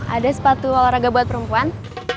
ada sepatu olahraga buat perempuan